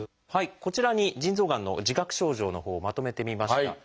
こちらに腎臓がんの自覚症状のほうをまとめてみました。